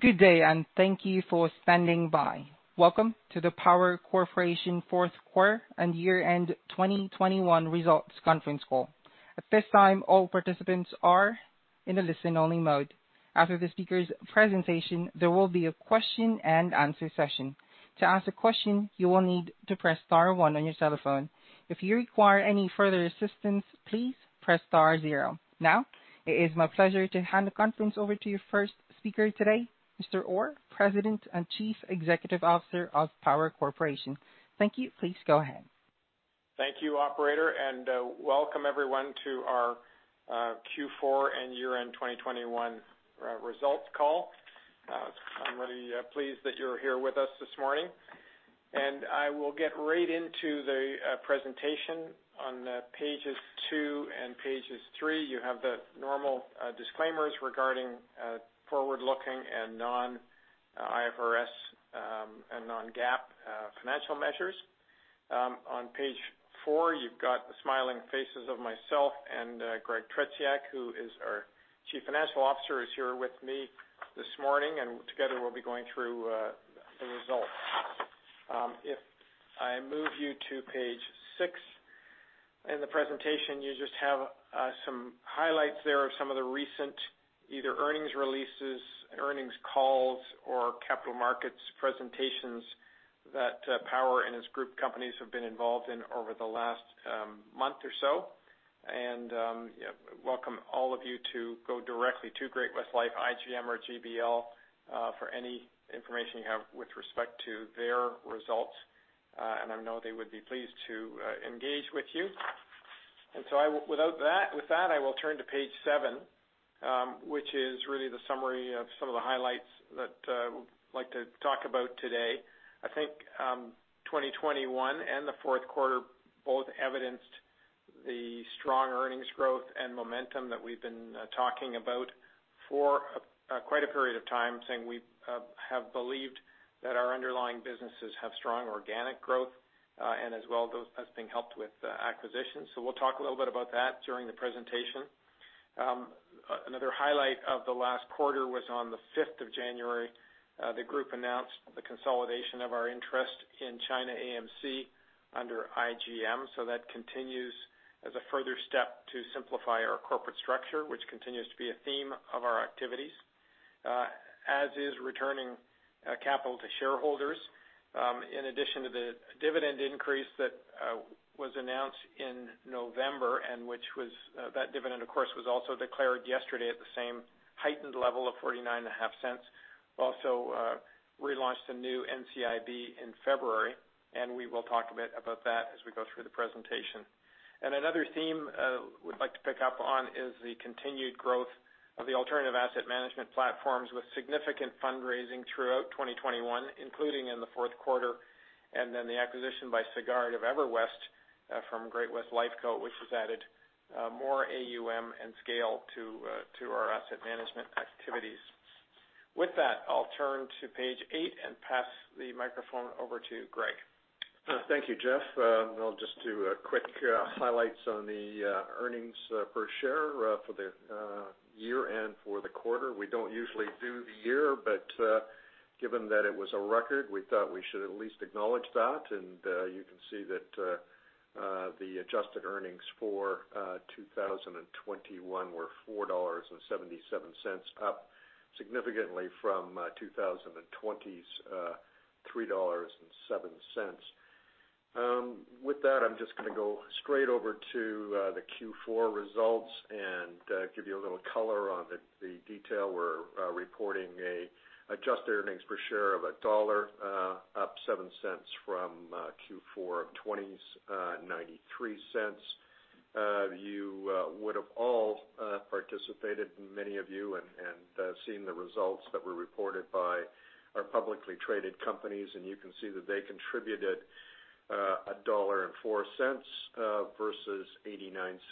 Good day, and thank you for standing by. Welcome to the Power Corporation fourth quarter and year-end 2021 results conference call. At this time, all participants are in a listen-only mode. After the speaker's presentation, there will be a question and answer session. To ask a question, you will need to press star one on your telephone. If you require any further assistance, please press star zero. Now, it is my pleasure to hand the conference over to your first speaker today, Mr. Orr, President and Chief Executive Officer of Power Corporation. Thank you. Please go ahead. Thank you, operator, and welcome everyone to our Q4 and year-end 2021 results call. I'm really pleased that you're here with us this morning, and I will get right into the presentation. On pages two and three, you have the normal disclaimers regarding forward-looking and non-IFRS and non-GAAP financial measures. On page four, you've got the smiling faces of myself and Greg Tretiak, who is our Chief Financial Officer, is here with me this morning, and together we'll be going through the results. If I move you to page six in the presentation, you just have some highlights there of some of the recent either earnings releases, earnings calls, or capital markets presentations that Power and its group companies have been involved in over the last month or so. Welcome all of you to go directly to Great-West Life, IGM, or GBL for any information you have with respect to their results. I know they would be pleased to engage with you. With that, I will turn to page seven, which is really the summary of some of the highlights that I would like to talk about today. I think, 2021 and the fourth quarter both evidenced the strong earnings growth and momentum that we've been talking about for quite a period of time, saying we have believed that our underlying businesses have strong organic growth, and as well those being helped with acquisitions. We'll talk a little bit about that during the presentation. Another highlight of the last quarter was on the 5th of January. The group announced the consolidation of our interest in China AMC under IGM. That continues as a further step to simplify our corporate structure, which continues to be a theme of our activities, as is returning capital to shareholders. In addition to the dividend increase that was announced in November, that dividend, of course, was also declared yesterday at the same heightened level of 0.495. Also, relaunched a new NCIB in February, and we will talk a bit about that as we go through the presentation. Another theme we'd like to pick up on is the continued growth of the alternative asset management platforms with significant fundraising throughout 2021, including in the fourth quarter, and then the acquisition by Sagard of EverWest from Great-West Lifeco, which has added more AUM and scale to our asset management activities. With that, I'll turn to page eight and pass the microphone over to Greg. Thank you, Jeff. I'll just do a quick highlights on the earnings per share for the year and for the quarter. We don't usually do the year, but given that it was a record, we thought we should at least acknowledge that. You can see that the adjusted earnings for 2021 were 4.77 dollars, up significantly from 2020's 3.07. With that, I'm just gonna go straight over to the Q4 results and give you a little color on the detail. We're reporting an adjusted earnings per share of CAD 1.00, up 0.07 from Q4 of 2020's 0.93. You would have all participated, many of you, and seen the results that were reported by our publicly traded companies, and you can see that they contributed 1.04 dollar versus 0.89 in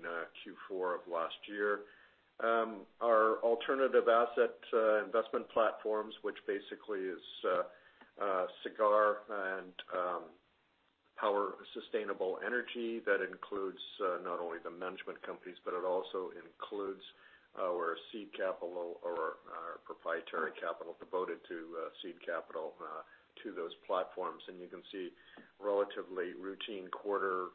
Q4 of last year. Our alternative asset investment platforms, which basically is Sagard and Power Sustainable Energy. That includes not only the management companies, but it also includes our seed capital or our proprietary capital devoted to seed capital to those platforms. You can see relatively routine quarter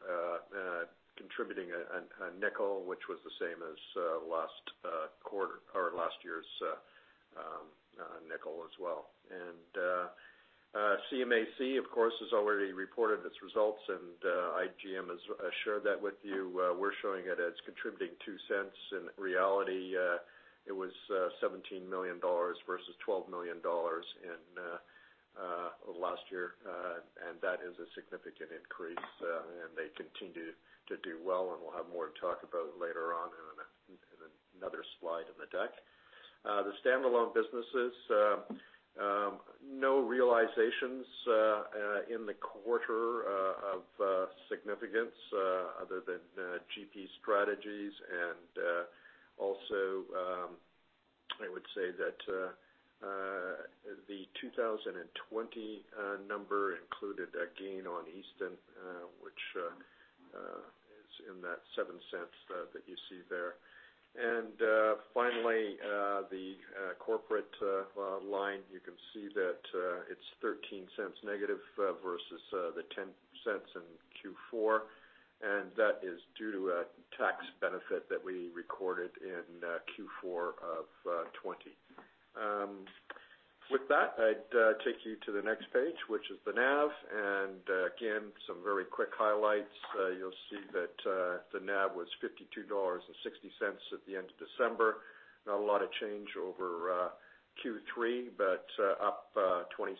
contributing CAD 0.05, which was the same as last quarter or last year's CAD 0.05 as well. China AMC, of course, has already reported its results, and IGM has shared that with you. We're showing it as contributing 0.02. In reality, it was 17 million dollars versus 12 million dollars last year. That is a significant increase. They continue to do well, and we'll have more to talk about later on in another slide in the deck. The standalone businesses, no realizations in the quarter of significance, other than GP Strategies and also that the 2020 number included a gain on Easton, which is in that 0.07 that you see there. Finally, the corporate line, you can see that it's -0.13 versus the 0.10 in Q4, and that is due to a tax benefit that we recorded in Q4 of 2020. With that, I'd take you to the next page, which is the NAV. Again, some very quick highlights. You'll see that the NAV was 52.60 dollars at the end of December. Not a lot of change over Q3, but up 27%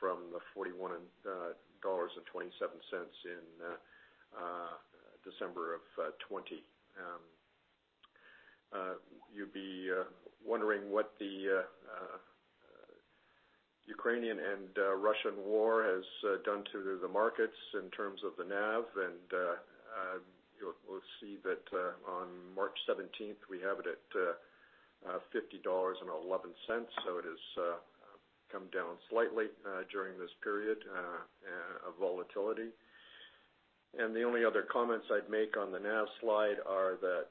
from the 41.27 dollars in December of 2020. You'd be wondering what the Ukrainian and Russian war has done to the markets in terms of the NAV. You know, we'll see that on March 17th, we have it at 50.11 dollars. It has come down slightly during this period of volatility. The only other comments I'd make on the NAV slide are that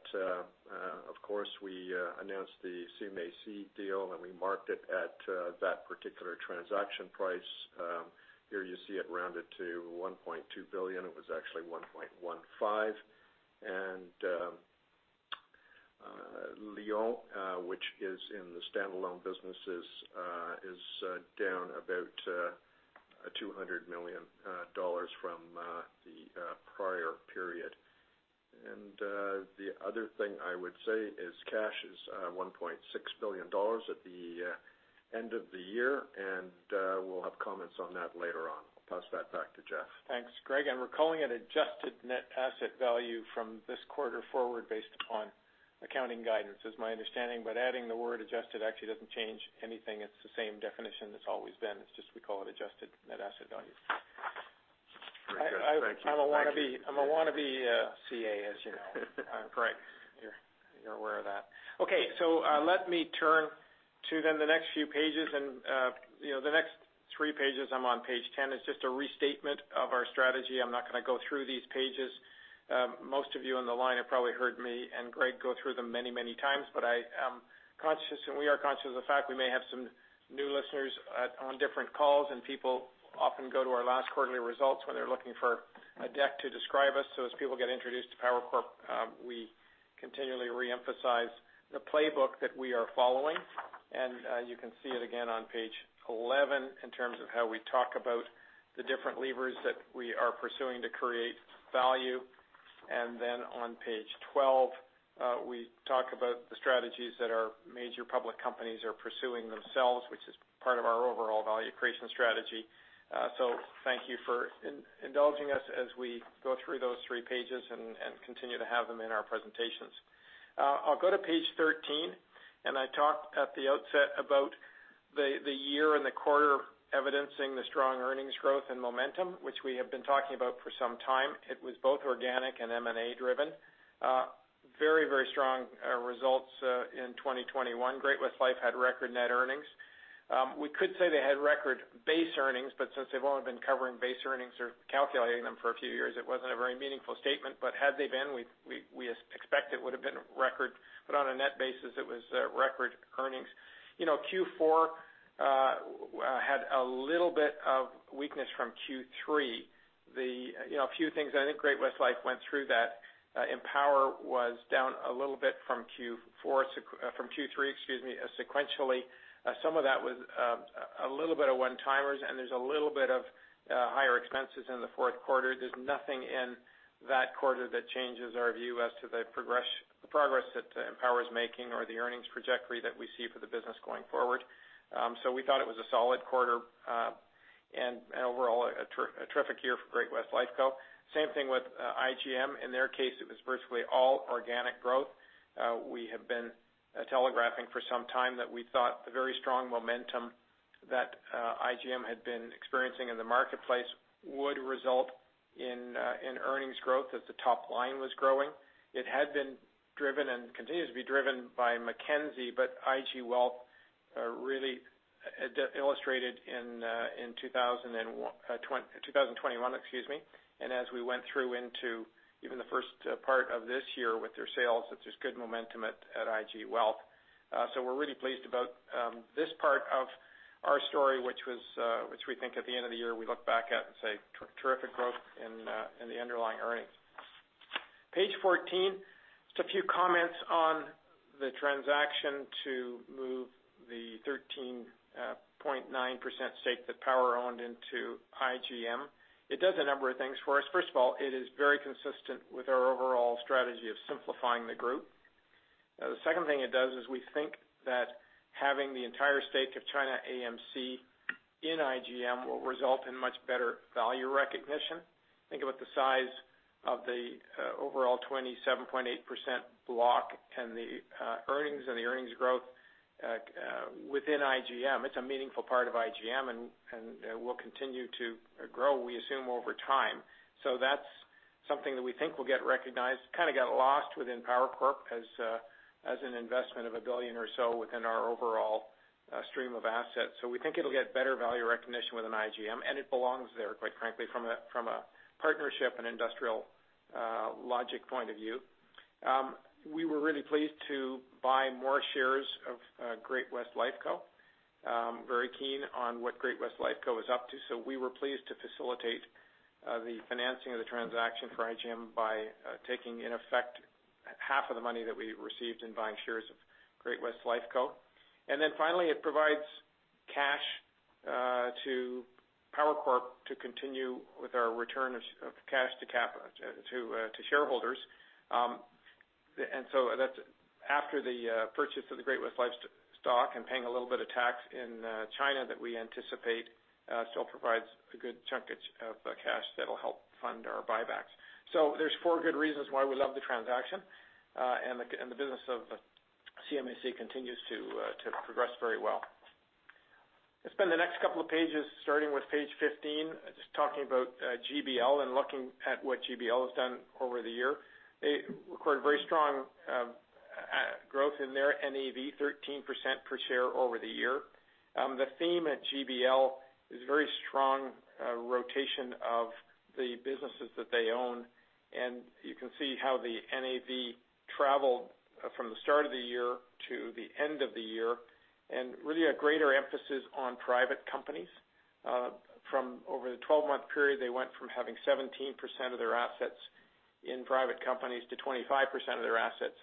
of course, we announced the China AMC deal, and we marked it at that particular transaction price. Here you see it rounded to 1.2 billion. It was actually 1.15 billion. Lion, which is in the standalone businesses, is down about 200 million dollars from the prior period. The other thing I would say is cash is 1.6 billion dollars at the end of the year, and we'll have comments on that later on. I'll pass that back to Jeff. Thanks, Greg. We're calling it Adjusted Net Asset Value from this quarter forward based upon accounting guidance, is my understanding. Adding the word adjusted actually doesn't change anything. It's the same definition it's always been. It's just we call it Adjusted Net Asset Value. Great, Jeff. Thank you. I'm a wannabe CA, as you know. Right. You're aware of that. Okay. Let me turn to then the next few pages and, you know, the next three pages. I'm on page 10. It's just a restatement of our strategy. I'm not gonna go through these pages. Most of you on the line have probably heard me and Greg go through them many, many times. I am conscious, and we are conscious of the fact we may have some new listeners on different calls, and people often go to our last quarterly results when they're looking for a deck to describe us. As people get introduced to PowerCorp, we continually reemphasize the playbook that we are following. You can see it again on page 11 in terms of how we talk about the different levers that we are pursuing to create value. Then on page 12, we talk about the strategies that our major public companies are pursuing themselves, which is part of our overall value creation strategy. Thank you for indulging us as we go through those three pages and continue to have them in our presentations. I'll go to page 13, and I talked at the outset about the year and the quarter evidencing the strong earnings growth and momentum, which we have been talking about for some time. It was both organic and M&A driven. Very, very strong results in 2021. Great-West Life had record net earnings. We could say they had record base earnings, but since they've only been covering base earnings or calculating them for a few years, it wasn't a very meaningful statement. Had they been, we expect it would have been record. On a net basis, it was record earnings. You know, Q4 had a little bit of weakness from Q3. You know, a few things, I think Great-West Life went through that. Empower was down a little bit from Q3, excuse me, sequentially. Some of that was a little bit of one-timers, and there's a little bit of higher expenses in the fourth quarter. There's nothing in that quarter that changes our view as to the progress that Empower is making or the earnings trajectory that we see for the business going forward. We thought it was a solid quarter, and overall a terrific year for Great-West Lifeco. Same thing with IGM. In their case, it was virtually all organic growth. We have been telegraphing for some time that we thought the very strong momentum that IGM had been experiencing in the marketplace would result in earnings growth as the top line was growing. It had been driven and continues to be driven by Mackenzie. IG Wealth really illustrated in 2021. As we went through into even the first part of this year with their sales, that there's good momentum at IG Wealth. We're really pleased about this part of our story, which we think at the end of the year, we look back at and say, "Terrific growth in the underlying earnings." Page 14. Just a few comments on the transaction to move the 13.9% stake that Power owned into IGM. It does a number of things for us. First of all, it is very consistent with our overall strategy of simplifying the group. The second thing it does is we think that having the entire stake of China AMC in IGM will result in much better value recognition. Think about the size of the overall 27.8% block and the earnings and the earnings growth within IGM, it's a meaningful part of IGM and will continue to grow, we assume, over time. So that's something that we think will get recognized, kind of got lost within PowerCorp as an investment of 1 billion or so within our overall stream of assets. We think it'll get better value recognition within IGM, and it belongs there, quite frankly, from a partnership and industrial logic point of view. We were really pleased to buy more shares of Great-West Lifeco. Very keen on what Great-West Lifeco is up to. We were pleased to facilitate the financing of the transaction for IGM by, in effect, taking half of the money that we received in buying shares of Great-West Lifeco. Finally, it provides cash to PowerCorp to continue with our return of cash to shareholders. That's after the purchase of the Great-West Lifeco stock and paying a little bit of tax in China that we anticipate still provides a good chunk of cash that'll help fund our buybacks. There's four good reasons why we love the transaction, and the business of CMHC continues to progress very well. Let's spend the next couple of pages, starting with page 15, just talking about GBL and looking at what GBL has done over the year. They recorded very strong growth in their NAV, 13% per share over the year. The theme at GBL is very strong rotation of the businesses that they own. You can see how the NAV traveled from the start of the year to the end of the year, and really a greater emphasis on private companies. From over the 12-month period, they went from having 17% of their assets in private companies to 25% of their assets.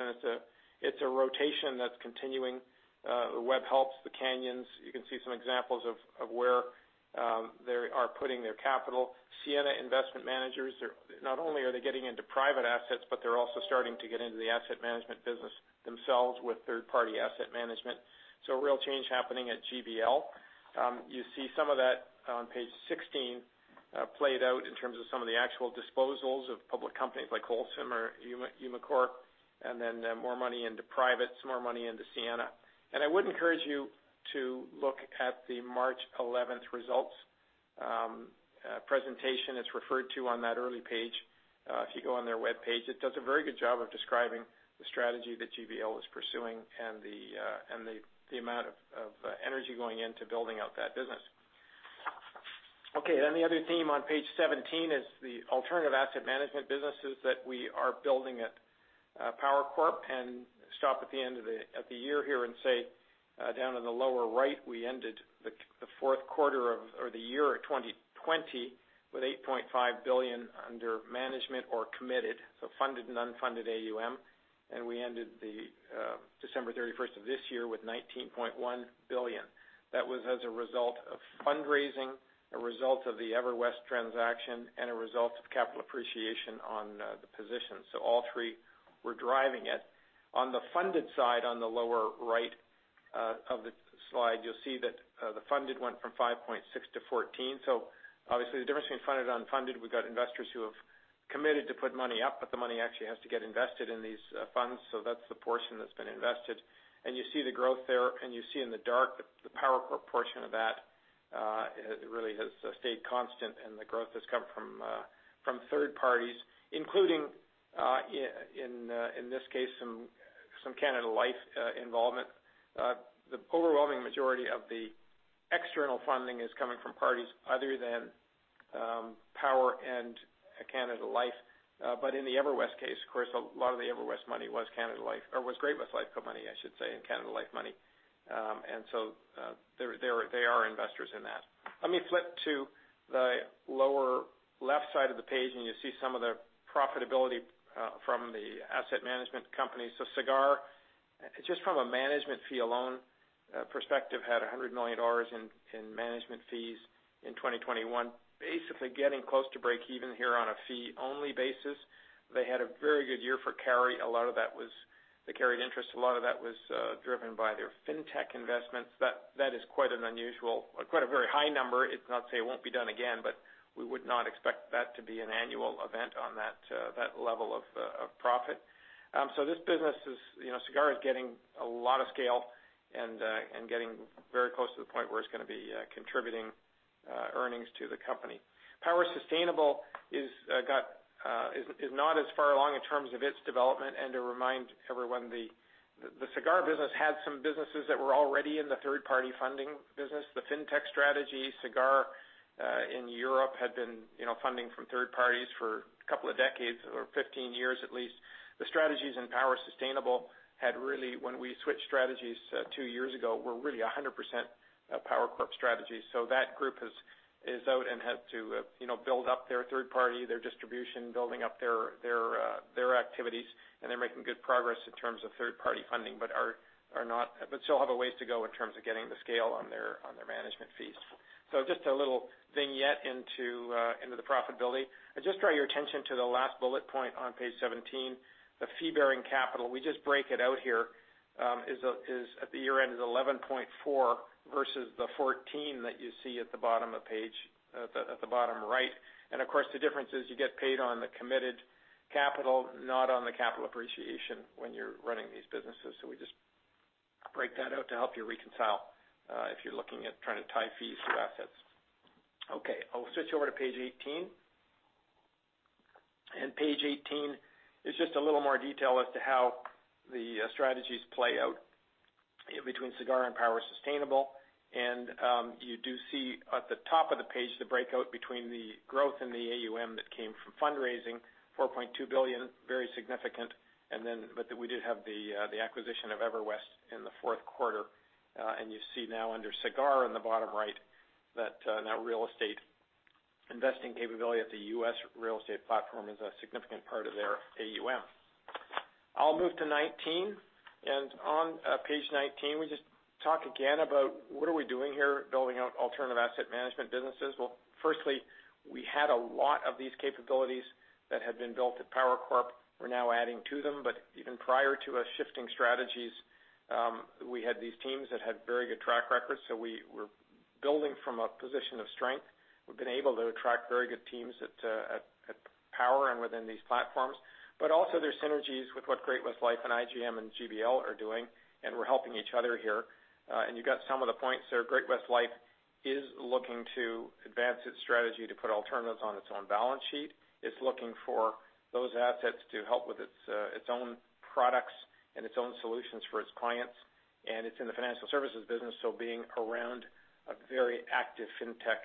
It's a rotation that's continuing. The Webhelp, the Canyon Bicycles, you can see some examples of where they are putting their capital. Sienna Investment Managers not only are they getting into private assets, but they're also starting to get into the asset management business themselves with third-party asset management. Real change happening at GBL. You see some of that on page 16, played out in terms of some of the actual disposals of public companies like Holcim or Umicore, and then more money into privates, more money into Sienna. I would encourage you to look at the March 11th results presentation. It's referred to on that early page. If you go on their webpage, it does a very good job of describing the strategy that GBL is pursuing and the amount of energy going into building out that business. Okay, the other theme on page 17 is the alternative asset management businesses that we are building at PowerCorp, and stop at the end of the year here and say, down in the lower right, we ended the fourth quarter of or the year of 2020 with 8.5 billion under management or committed, so funded and unfunded AUM. We ended December 31st of this year with 19.1 billion. That was as a result of fundraising, a result of the EverWest transaction, and a result of capital appreciation on the position. All three were driving it. On the funded side, on the lower right of the slide, you'll see that the funded went from 5.6 to 14. Obviously, the difference between funded and unfunded, we've got investors who have committed to put money up, but the money actually has to get invested in these funds. That's the portion that's been invested. You see the growth there, and you see in the dark the Power Corp portion of that, it really has stayed constant, and the growth has come from third parties, including in this case some Canada Life involvement. The overwhelming majority of the external funding is coming from parties other than Power and Canada Life. In the EverWest case, of course, a lot of the EverWest money was Canada Life, or was Great-West Lifeco money, I should say, and Canada Life money. They are investors in that. Let me flip to the lower left side of the page, and you'll see some of the profitability from the asset management company. Sagard, just from a management fee alone, perspective, had 100 million dollars in management fees in 2021. Basically getting close to breakeven here on a fee-only basis. They had a very good year for carry. A lot of that was the carried interest. A lot of that was driven by their fintech investments. That is quite an unusual, very high number. It's not to say it won't be done again, but we would not expect that to be an annual event on that level of profit. This business is, you know, Sagard is getting a lot of scale and getting very close to the point where it's gonna be contributing earnings to the company. Power Sustainable is not as far along in terms of its development. To remind everyone, the Sagard business had some businesses that were already in the third-party funding business. The fintech strategy, Sagard, in Europe had been, you know, funding from third parties for a couple of decades or 15 years at least. The strategies in Power Sustainable had really, when we switched strategies, two years ago, were really 100% PowerCorp strategies. That group has spun out and had to, you know, build up their third-party distribution, building up their activities. They're making good progress in terms of third-party funding, but still have a ways to go in terms of getting the scale on their management fees. Just a little vignette into the profitability. I just draw your attention to the last bullet point on page 17. The fee-bearing capital, we just break it out here, is at year-end 11.4 versus the 14 that you see at the bottom right. Of course, the difference is you get paid on the committed capital, not on the capital appreciation when you're running these businesses. We just break that out to help you reconcile if you're looking at trying to tie fees to assets. Okay. I'll switch over to page 18. Page 18 is just a little more detail as to how the strategies play out in between Sagard and Power Sustainable. You do see at the top of the page the breakout between the growth and the AUM that came from fundraising, 4.2 billion, very significant. We did have the acquisition of EverWest in the fourth quarter. You see now under Sagard in the bottom right that that real estate investing capability at the U.S. real estate platform is a significant part of their AUM. I'll move to 19. On page 19, we just talk again about what are we doing here, building out alternative asset management businesses. Well, firstly, we had a lot of these capabilities that had been built at Power Corp. We're now adding to them. Even prior to us shifting strategies, we had these teams that had very good track records, so we were building from a position of strength. We've been able to attract very good teams at Power and within these platforms. Also there's synergies with what Great-West Life and IGM and GBL are doing, and we're helping each other here. You got some of the points there. Great-West Life is looking to advance its strategy to put alternatives on its own balance sheet. It's looking for those assets to help with its own products and its own solutions for its clients. It's in the financial services business, so being around a very active fintech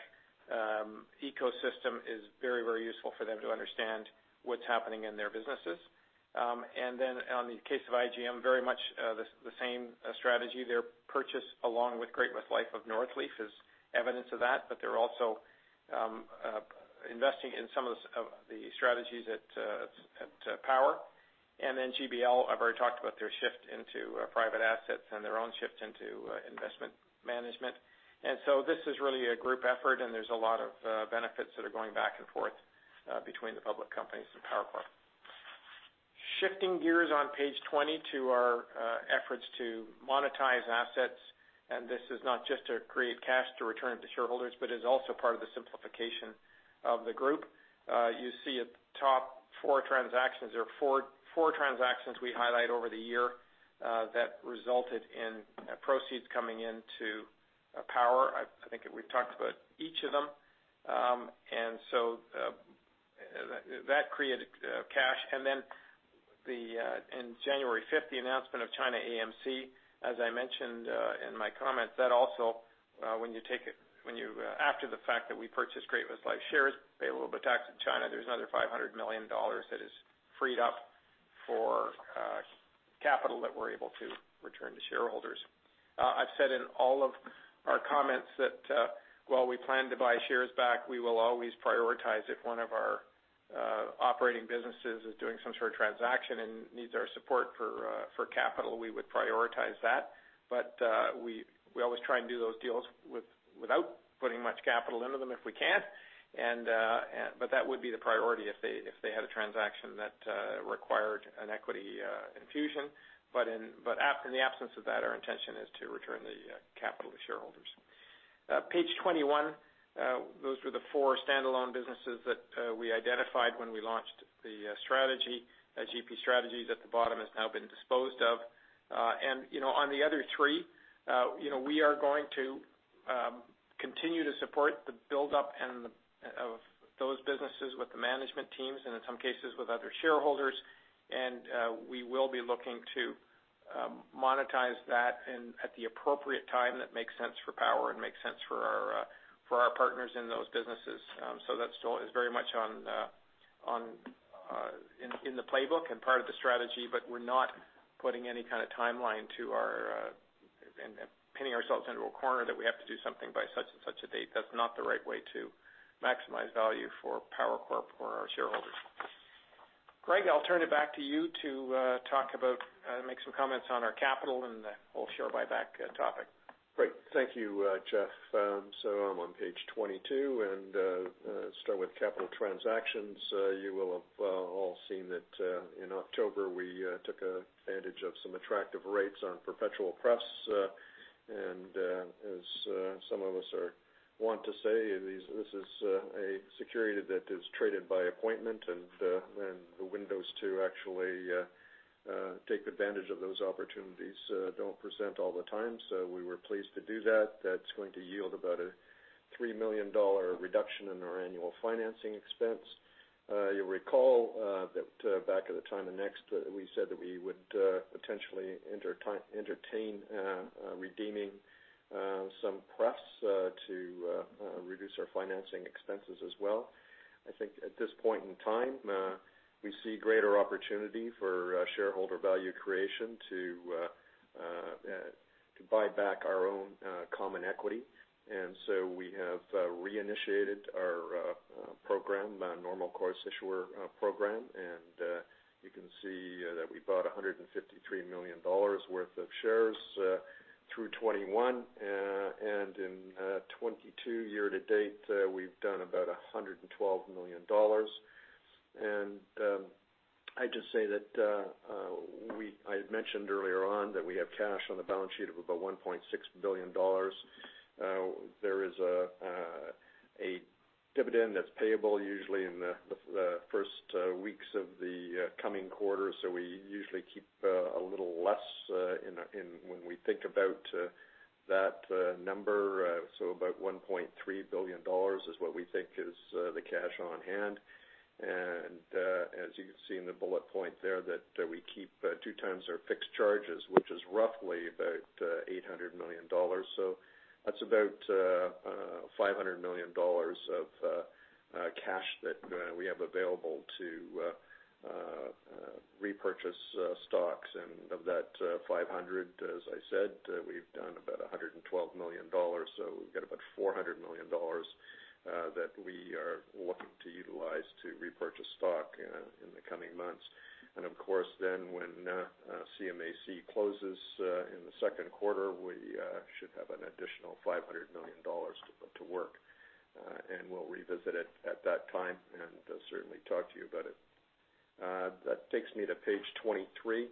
ecosystem is very, very useful for them to understand what's happening in their businesses. Then in the case of IGM, very much the same strategy. Their purchase along with Great-West Life of Northleaf is evidence of that, but they're also investing in some of the strategies at Power. Then GBL, I've already talked about their shift into private assets and their own shift into investment management. This is really a group effort, and there's a lot of benefits that are going back and forth between the public companies and PowerCorp. Shifting gears on page 20 to our efforts to monetize assets, and this is not just to create cash to return to shareholders, but is also part of the simplification of the group. You see at the top four transactions. There are four transactions we highlight over the year that resulted in proceeds coming into Power. I think we've talked about each of them. That created cash. In January 5th, the announcement of China AMC, as I mentioned in my comments, that also, after the fact that we purchased Great-West Life shares, pay a little bit of tax in China, there's another 500 million dollars that is freed up for capital that we're able to return to shareholders. I've said in all of our comments that while we plan to buy shares back, we will always prioritize if one of our operating businesses is doing some sort of transaction and needs our support for capital, we would prioritize that. We always try and do those deals without putting much capital into them if we can. That would be the priority if they had a transaction that required an equity infusion. In the absence of that, our intention is to return the capital to shareholders. Page 21, those were the four standalone businesses that we identified when we launched the strategy. GP Strategies at the bottom has now been disposed of. You know, on the other three, you know, we are going to continue to support the buildup of those businesses with the management teams and in some cases with other shareholders. We will be looking to monetize that at the appropriate time that makes sense for Power and makes sense for our partners in those businesses. That still is very much in the playbook and part of the strategy, but we're not putting any kind of timeline to our and pinning ourselves into a corner that we have to do something by such and such a date. That's not the right way to maximize value for PowerCorp or our shareholders. Greg, I'll turn it back to you to make some comments on our capital and the whole share buyback topic. Great. Thank you, Jeff. I'm on page 22 and start with capital transactions. You will have all seen that in October we took advantage of some attractive rates on perpetual prefs. Some of us are wont to say this is a security that is traded by appointment and the windows to actually take advantage of those opportunities don't present all the time. We were pleased to do that. That's going to yield about a 3 million dollar reduction in our annual financing expense. You'll recall that back at the time of Next, we said that we would potentially entertain redeeming some prefs to reduce our financing expenses as well. I think at this point in time, we see greater opportunity for shareholder value creation to buy back our own common equity. We have reinitiated our Normal Course Issuer Bid. You can see that we bought 153 million dollars worth of shares through 2021. In 2022 year-to-date, we've done about 112 million dollars. I'd just say that I had mentioned earlier on that we have cash on the balance sheet of about 1.6 billion dollars. There is a dividend that's payable usually in the first weeks of the coming quarter. We usually keep a little less in when we think about that number. About 1.3 billion dollars is what we think is the cash on hand. As you can see in the bullet point there that we keep 2x our fixed charges, which is roughly about 800 million dollars. That's about 500 million dollars of cash that we have available to repurchase stocks. Of that 500, as I said, we've done about 112 million dollars, so we've got about 400 million dollars that we are looking to utilize to repurchase stock in the coming months. Of course, when CAMC closes in the second quarter, we should have an additional 500 million dollars to put to work. We'll revisit it at that time and certainly talk to you about it. That takes me to page 23.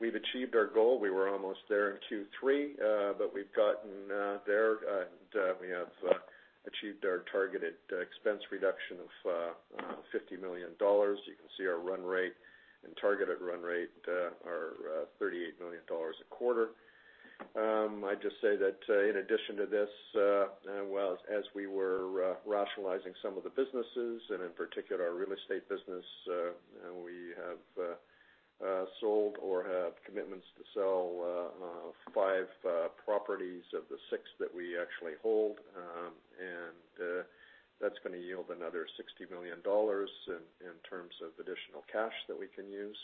We've achieved our goal. We were almost there in Q3, but we've gotten there. We have achieved our targeted expense reduction of 50 million dollars. You can see our run rate and targeted run rate are 38 million dollars a quarter. I'd just say that, in addition to this, well, as we were rationalizing some of the businesses and in particular our real estate business, we have sold or have commitments to sell five properties of the six that we actually hold. That's gonna yield another 60 million dollars in terms of additional cash that we can use.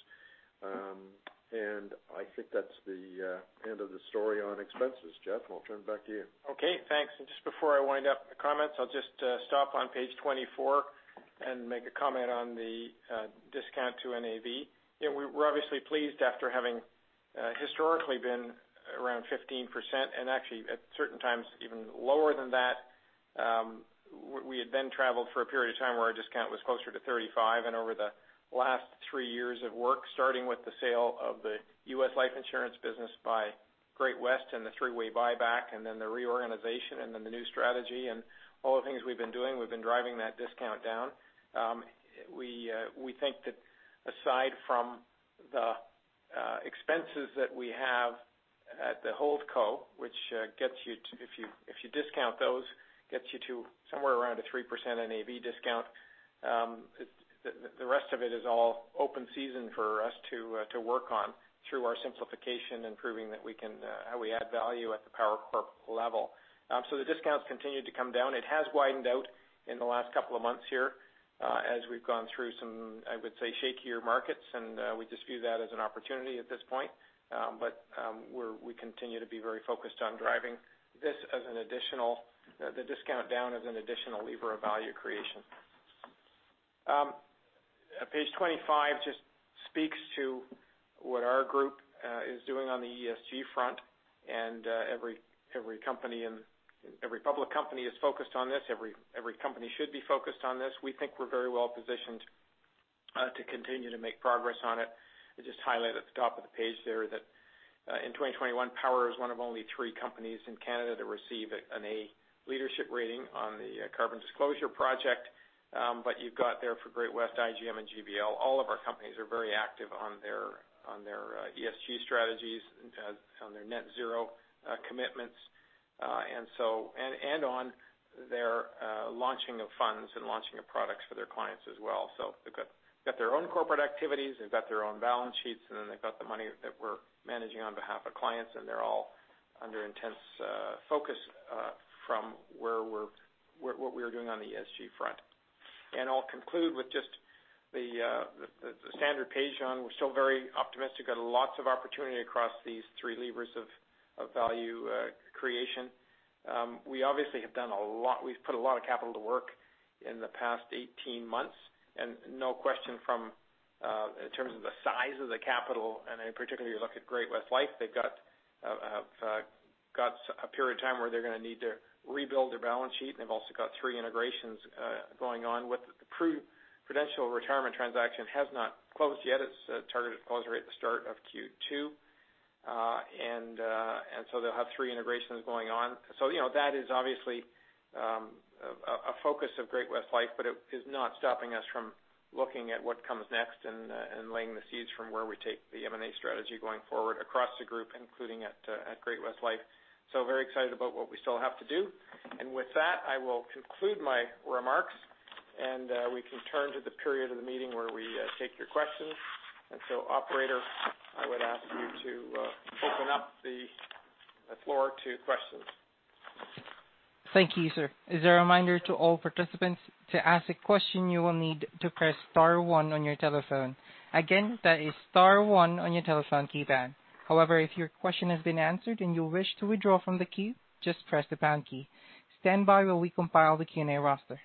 I think that's the end of the story on expenses. Jeff, I'll turn it back to you. Okay, thanks. Just before I wind up the comments, I'll just stop on page 24 and make a comment on the discount to NAV. Yeah, we're obviously pleased after having historically been around 15%, and actually at certain times, even lower than that. We had then traveled for a period of time where our discount was closer to 35%. Over the last three years of work, starting with the sale of the U.S. life insurance business by Great-West and the three-way buyback, and then the reorganization, and then the new strategy and all the things we've been doing, we've been driving that discount down. We think that aside from the expenses that we have at the Holdco, which gets you to, if you discount those, gets you to somewhere around a 3% NAV discount. The rest of it is all open season for us to work on through our simplification and proving that we can how we add value at the Power Corp level. The discounts continue to come down. It has widened out in the last couple of months here as we've gone through some I would say shakier markets. We just view that as an opportunity at this point. We continue to be very focused on driving this as an additional the discount down as an additional lever of value creation. Page 25 just speaks to what our group is doing on the ESG front. Every public company is focused on this. Every company should be focused on this. We think we're very well-positioned to continue to make progress on it. It just highlighted at the top of the page there that in 2021, Power is one of only three companies in Canada to receive an A leadership rating on the Carbon Disclosure Project. You've got there for Great-West, IGM and GBL, all of our companies are very active on their ESG strategies on their net zero commitments on their launching of funds and launching of products for their clients as well. They've got their own corporate activities, they've got their own balance sheets, and then they've got the money that we're managing on behalf of clients, and they're all under intense focus from what we're doing on the ESG front. I'll conclude with just the standard page on; we're still very optimistic. Got lots of opportunity across these three levers of value creation. We obviously have done a lot. We've put a lot of capital to work in the past 18 months. No question from in terms of the size of the capital and in particular, you look at Great-West Life, they've got a period of time where they're gonna need to rebuild their balance sheet. They've also got three integrations going on with the Prudential retirement transaction has not closed yet. It's targeted to close right at the start of Q2. They'll have three integrations going on. You know, that is obviously a focus of Great-West Life, but it is not stopping us from looking at what comes next and laying the seeds from where we take the M&A strategy going forward across the group, including at Great-West Life. Very excited about what we still have to do. With that, I will conclude my remarks, and we can turn to the period of the meeting where we take your questions. Operator, I would ask you to open up the floor to questions. Thank you, sir. As a reminder to all participants, to ask a question, you will need to press star one on your telephone. Again, that is star one on your telephone keypad. However, if your question has been answered and you wish to withdraw from the queue, just press the pound key. Stand by while we compile the Q&A roster.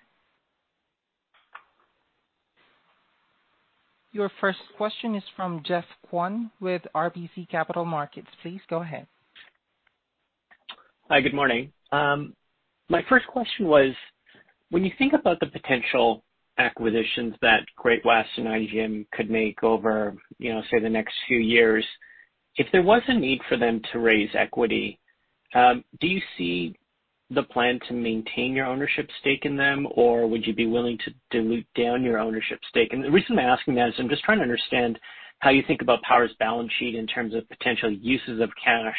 Your first question is from Geoffrey Kwan with RBC Capital Markets. Please go ahead. Hi, good morning. My first question was when you think about the potential acquisitions that Great-West and IGM could make over, you know, say, the next few years, if there was a need for them to raise equity, do you see the plan to maintain your ownership stake in them, or would you be willing to dilute down your ownership stake? The reason I'm asking that is I'm just trying to understand how you think about Power's balance sheet in terms of potential uses of cash,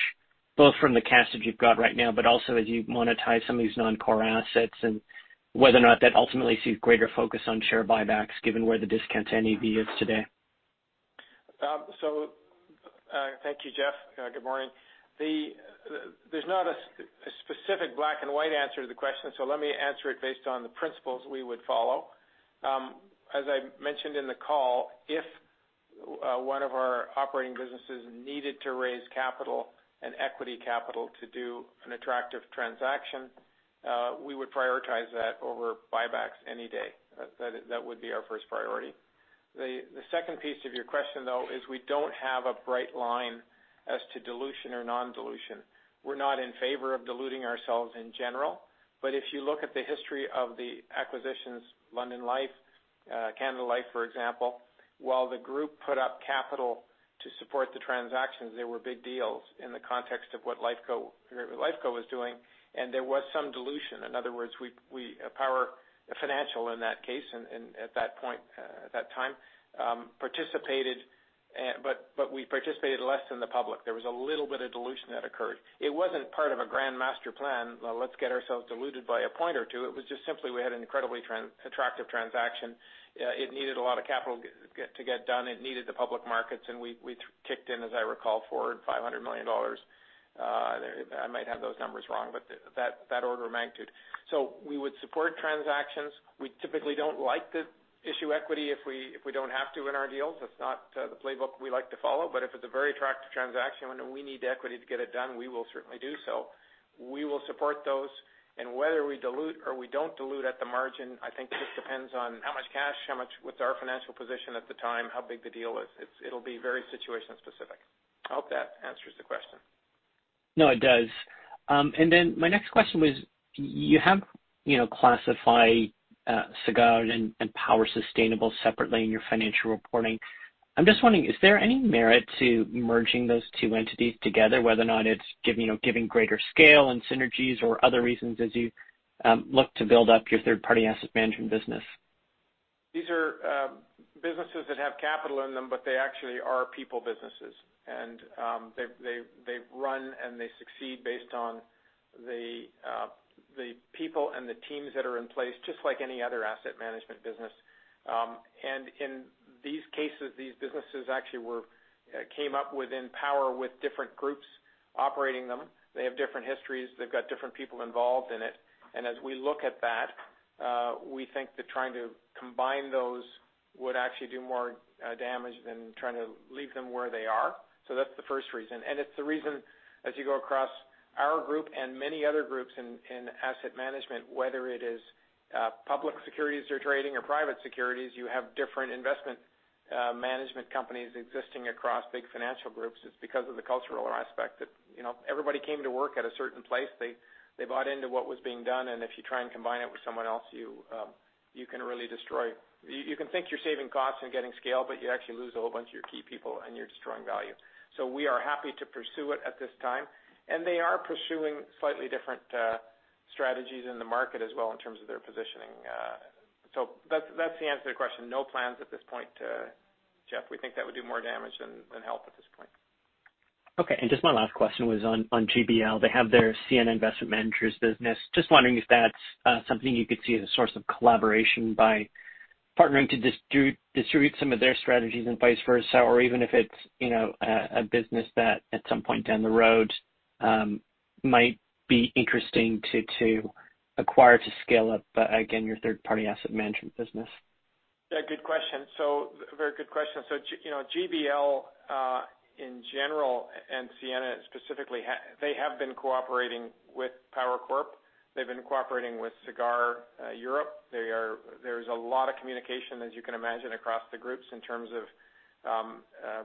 both from the cash that you've got right now, but also as you monetize some of these non-core assets and whether or not that ultimately sees greater focus on share buybacks given where the discount to NAV is today. Thank you, Jeff. Good morning. There's not a specific black and white answer to the question, so let me answer it based on the principles we would follow. As I mentioned in the call, if one of our operating businesses needed to raise capital and equity capital to do an attractive transaction, we would prioritize that over buybacks any day. That would be our first priority. The second piece of your question, though, is we don't have a bright line as to dilution or non-dilution. We're not in favor of diluting ourselves in general. If you look at the history of the acquisitions, London Life, Canada Life, for example, while the group put up capital to support the transactions, they were big deals in the context of what Lifeco was doing, and there was some dilution. In other words, we Power Financial in that case and at that point participated, but we participated less than the public. There was a little bit of dilution that occurred. It wasn't part of a grand master plan. Let's get ourselves diluted by a point or two. It was just simply we had an incredibly attractive transaction. It needed a lot of capital to get done. It needed the public markets, and we kicked in, as I recall, 400 million or 500 million dollars. I might have those numbers wrong, but that order of magnitude. We would support transactions. We typically don't like to issue equity if we don't have to in our deals. That's not the playbook we like to follow. If it's a very attractive transaction and we need the equity to get it done, we will certainly do so. We will support those. Whether we dilute or we don't dilute at the margin, I think just depends on how much cash, what's our financial position at the time, how big the deal is. It'll be very situation specific. I hope that answers the question. No, it does. My next question was you have, you know, classified Sagard and Power Sustainable separately in your financial reporting. I'm just wondering, is there any merit to merging those two entities together, whether or not it's giving greater scale and synergies or other reasons as you look to build up your third-party asset management business? These are businesses that have capital in them, but they actually are people businesses. They've run and they succeed based on the people and the teams that are in place, just like any other asset management business. In these cases, these businesses actually came up within Power with different groups operating them. They have different histories. They've got different people involved in it. As we look at that, we think that trying to combine those would actually do more damage than trying to leave them where they are. So that's the first reason. It's the reason as you go across our group and many other groups in asset management, whether it is public securities you're trading or private securities, you have different investment management companies existing across big financial groups. It's because of the cultural aspect that, you know, everybody came to work at a certain place. They bought into what was being done, and if you try and combine it with someone else, you can really destroy. You can think you're saving costs and getting scale, but you actually lose a whole bunch of your key people and you're destroying value. We are happy to pursue it at this time. They are pursuing slightly different strategies in the market as well in terms of their positioning. That's the answer to your question. No plans at this point, Jeff. We think that would do more damage than help at this point. Okay. Just my last question was on GBL. They have their Sienna Investment Managers business. Just wondering if that's something you could see as a source of collaboration by partnering to distribute some of their strategies and vice versa, or even if it's, you know, a business that at some point down the road might be interesting to acquire to scale up again, your third-party asset management business. Yeah, good question. Very good question. You know, GBL, in general, and Sienna specifically they have been cooperating with Power Corp. They've been cooperating with Sagard Europe. There's a lot of communication, as you can imagine, across the groups in terms of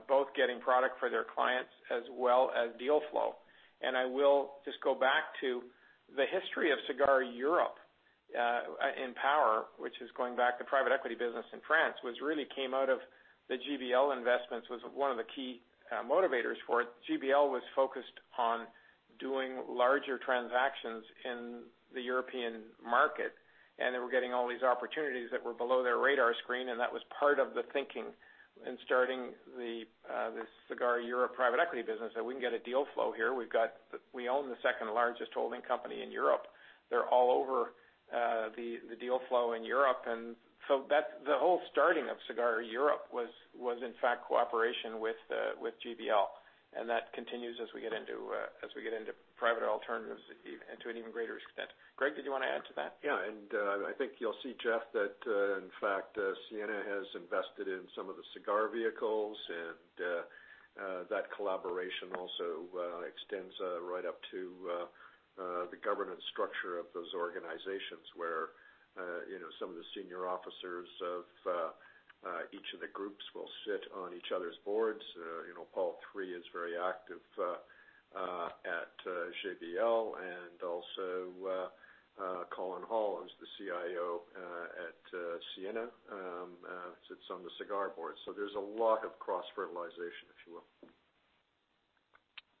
both getting product for their clients as well as deal flow. I will just go back to the history of Sagard Europe in Power, which is going back to private equity business in France, which really came out of the GBL investments, was one of the key motivators for it. GBL was focused on doing larger transactions in the European market, and they were getting all these opportunities that were below their radar screen, and that was part of the thinking in starting this Sagard Europe private equity business, that we can get a deal flow here. We own the second-largest holding company in Europe. They're all over the deal flow in Europe. That's the whole starting of Sagard Europe was in fact cooperation with GBL, and that continues as we get into private alternatives into an even greater extent. Greg, did you wanna add to that? Yeah. I think you'll see, Jeff, that in fact, Sienna has invested in some of the Sagard vehicles and that collaboration also extends right up to the governance structure of those organizations where you know, some of the senior officers of each of the groups will sit on each other's boards. You know, Paul III is very active at GBL and also, Colin Hall, who's the CIO at Sienna, sits on the Sagard board. There's a lot of cross-fertilization, if you will.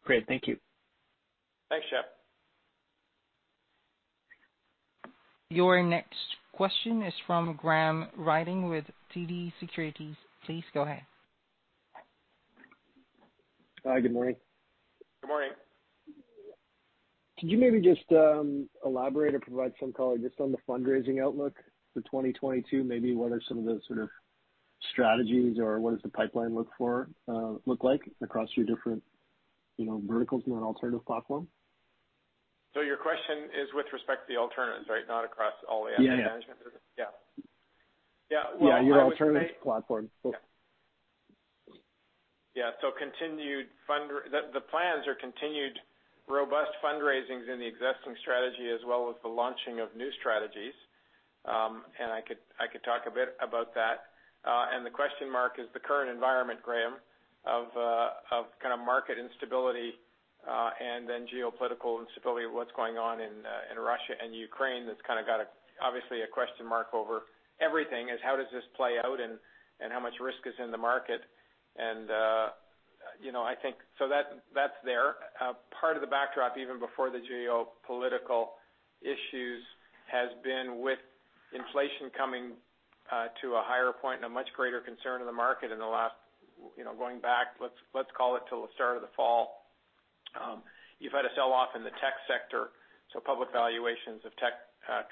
Great. Thank you. Thanks, Kwan. Your next question is from Graham Ryding with TD Securities. Please go ahead. Hi. Good morning. Good morning. Could you maybe just elaborate or provide some color just on the fundraising outlook for 2022? Maybe what are some of the sort of strategies or what does the pipeline look like across your different, you know, verticals in an alternative platform? Your question is with respect to the alternatives, right? Not across all the asset management business? Yeah. Yeah. Yeah. Well, I would say. Yeah, your alternatives platform. The plans are continued robust fundraisings in the existing strategy as well as the launching of new strategies. I could talk a bit about that. The question mark is the current environment, Graham, of kind of market instability, and then geopolitical instability of what's going on in Russia and Ukraine that's kind of got obviously a question mark over everything. How does this play out and how much risk is in the market. You know, I think so that's there. Part of the backdrop even before the geopolitical issues has been with inflation coming to a higher point and a much greater concern in the market in the last, you know, going back, let's call it till the start of the fall. You've had a sell-off in the tech sector, so public valuations of tech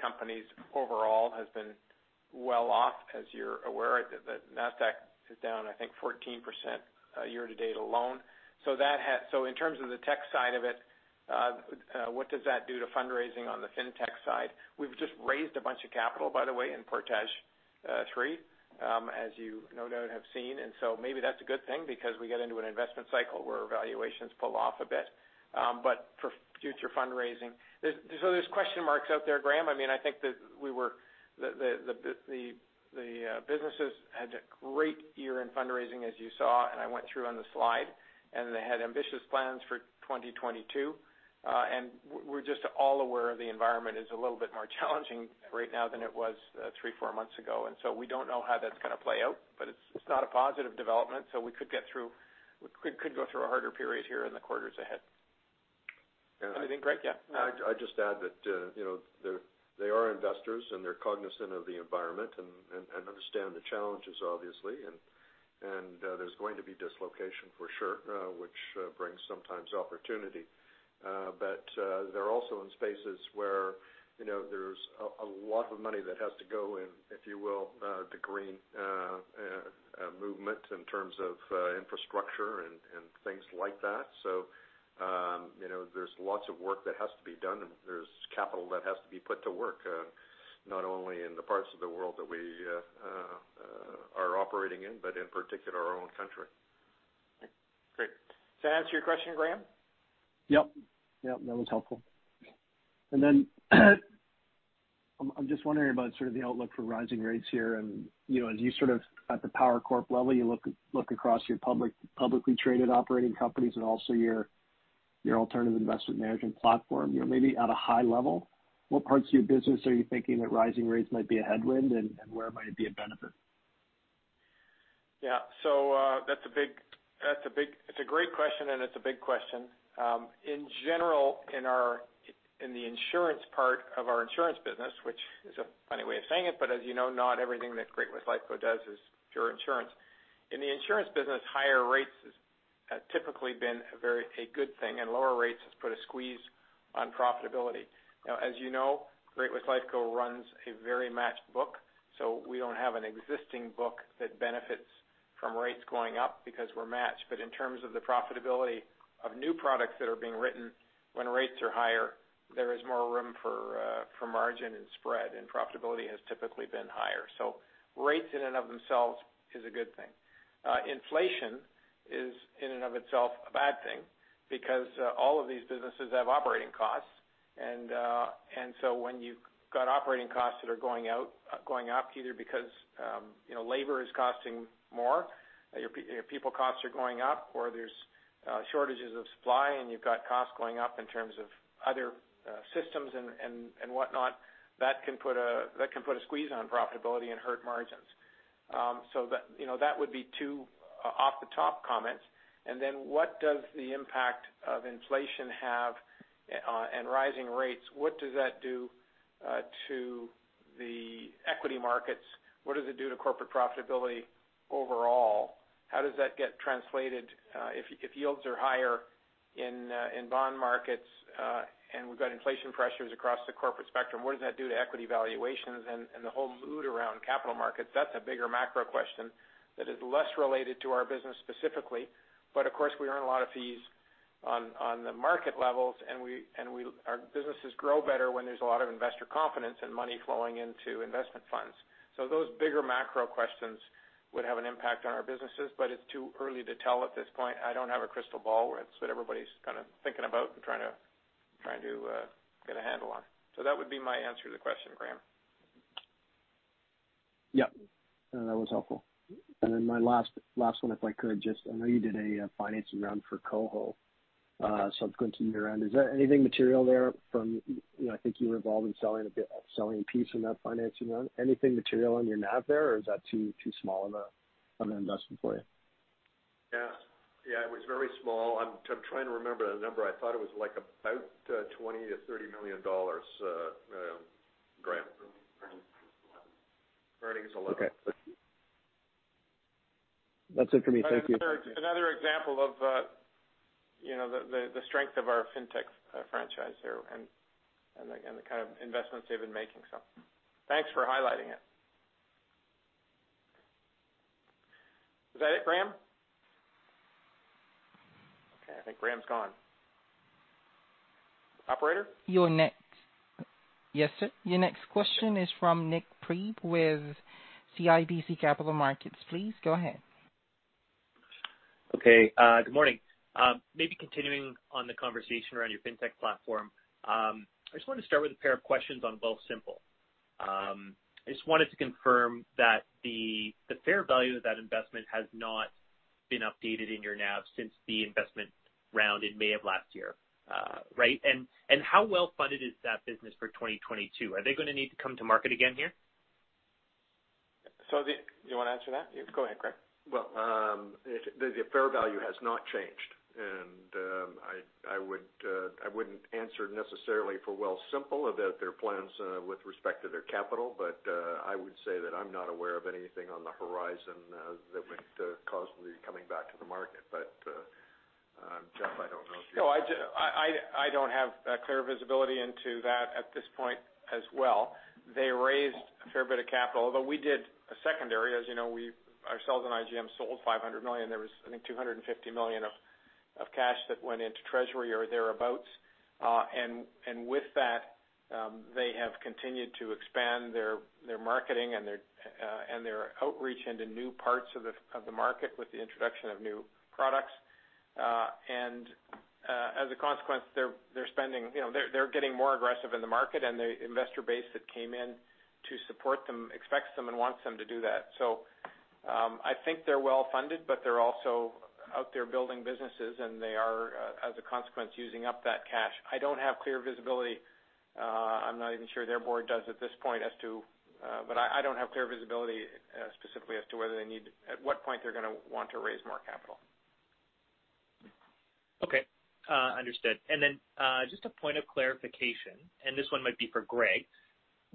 companies overall has been well off, as you're aware. The NASDAQ is down, I think, 14% year-to-date alone. In terms of the tech side of it, what does that do to fundraising on the fintech side? We've just raised a bunch of capital, by the way, in Portage III, as you no doubt have seen. Maybe that's a good thing because we get into an investment cycle where valuations pull off a bit, but for future fundraising. There's question marks out there, Graham. I mean, I think that the businesses had a great year in fundraising, as you saw, and I went through on the slide. They had ambitious plans for 2022. We're just all aware the environment is a little bit more challenging right now than it was three or four months ago. We don't know how that's gonna play out, but it's not a positive development. We could go through a harder period here in the quarters ahead. And I- Anything, Greg? Yeah. I'd just add that, you know, they are investors, and they're cognizant of the environment and understand the challenges obviously. There's going to be dislocation for sure, which brings sometimes opportunity, but they're also in spaces where, you know, there's a lot of money that has to go in, if you will, to green movement in terms of infrastructure and things like that. You know, there's lots of work that has to be done, and there's capital that has to be put to work, not only in the parts of the world that we are operating in, but in particular our own country. Great. Does that answer your question, Graham? Yep. Yep. That was helpful. I'm just wondering about sort of the outlook for rising rates here. You know, as you sort of at the Power Corp level, you look across your publicly traded operating companies and also your alternative investment management platform. You know, maybe at a high level, what parts of your business are you thinking that rising rates might be a headwind, and where might it be a benefit? Yeah. It's a great question, and it's a big question. In general, in the insurance part of our insurance business, which is a funny way of saying it, but as you know, not everything that Great-West Lifeco does is pure insurance. In the insurance business, higher rates have typically been a good thing, and lower rates has put a squeeze on profitability. Now, as you know, Great-West Lifeco runs a very matched book, so we don't have an existing book that benefits from rates going up because we're matched. But in terms of the profitability of new products that are being written when rates are higher, there is more room for margin and spread, and profitability has typically been higher. Rates in and of themselves is a good thing. Inflation is in and of itself a bad thing because all of these businesses have operating costs. When you've got operating costs that are going up, either because, you know, labor is costing more, your people costs are going up, or there's shortages of supply and you've got costs going up in terms of other systems and whatnot, that can put a squeeze on profitability and hurt margins. That would be two off the top comments. What does the impact of inflation have, and rising rates, what does that do to the equity markets? What does it do to corporate profitability overall? How does that get translated, if yields are higher in bond markets, and we've got inflation pressures across the corporate spectrum, what does that do to equity valuations and the whole mood around capital markets? That's a bigger macro question that is less related to our business specifically. But of course, we earn a lot of fees on the market levels, and our businesses grow better when there's a lot of investor confidence and money flowing into investment funds. Those bigger macro questions would have an impact on our businesses, but it's too early to tell at this point. I don't have a crystal ball where it's what everybody's kind of thinking about and trying to get a handle on. That would be my answer to the question, Graham. Yep. No, that was helpful. Then my last one, if I could just, I know you did a financing round for KOHO subsequent to year-end. Is there anything material there from, you know, I think you were involved in selling a bit, selling a piece in that financing round. Anything material on your NAV there, or is that too small of an investment for you? Yeah. Yeah, it was very small. I'm trying to remember the number. I thought it was like about 20 million-30 million dollars, Graham. Earnings 11. Earnings 11. Okay. That's it for me. Thank you. It's another example of, you know, the strength of our fintech franchise here and again, the kind of investments they've been making. Thanks for highlighting it. Is that it, Graham? Okay, I think Graham's gone. Operator? Yes, sir. Your next question is from Nik Priebe with CIBC Capital Markets. Please go ahead. Okay. Good morning. Maybe continuing on the conversation around your fintech platform. I just wanted to start with a pair of questions on Wealthsimple. I just wanted to confirm that the fair value of that investment has not been updated in your NAV since the investment round in May of last year, right and how well-funded is that business for 2022? Are they gonna need to come to market again here? You wanna answer that? Go ahead, Greg. Well, the fair value has not changed. I wouldn't necessarily answer for Wealthsimple about their plans with respect to their capital, but I would say that I'm not aware of anything on the horizon that would cause them to be coming back to the market. Jeff, I don't know if you- No, I don't have clear visibility into that at this point as well. They raised a fair bit of capital. Although we did a secondary, as you know, we ourselves and IGM sold 500 million. There was, I think, 250 million of cash that went into treasury or thereabouts. With that, they have continued to expand their marketing and their outreach into new parts of the market with the introduction of new products. As a consequence, they're getting more aggressive in the market, and the investor base that came in to support them expects them and wants them to do that. I think they're well-funded, but they're also out there building businesses, and they are, as a consequence, using up that cash. I don't have clear visibility. I'm not even sure their board does at this point as to. I don't have clear visibility, specifically as to whether they need, at what point they're gonna want to raise more capital. Okay. Understood. Just a point of clarification, and this one might be for Greg.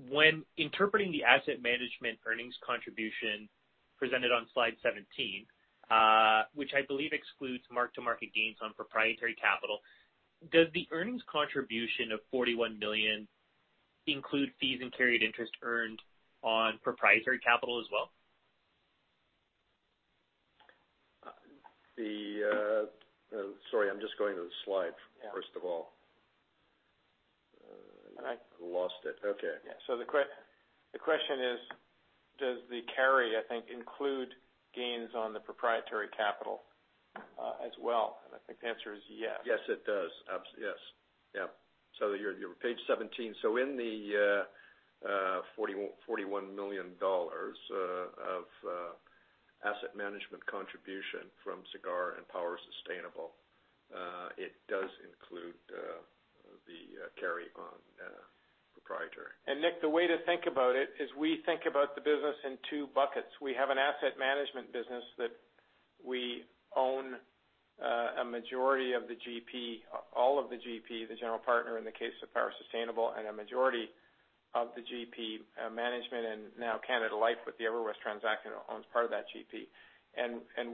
When interpreting the asset management earnings contribution presented on slide 17, which I believe excludes mark-to-market gains on proprietary capital, does the earnings contribution of 41 million include fees and carried interest earned on proprietary capital as well? Sorry, I'm just going to the slide first of all. Yeah. I lost it. Okay. Yeah. The question is, does the carry, I think, include gains on the proprietary capital, as well? I think the answer is yes. Yes, it does. Yes. Yeah. You're page 17. In the 41 million dollars of asset management contribution from Sagard and Power Sustainable, it does include the carry on proprietary. Nik, the way to think about it is we think about the business in two buckets. We have an asset management business that we own a majority of the GP, all of the GP, the general partner in the case of Power Sustainable, and a majority of the GP management and now Canada Life with the EverWest transaction owns part of that GP.